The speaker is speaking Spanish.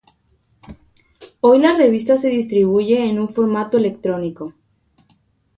Hoy la revista se distribuye en un formato electrónico.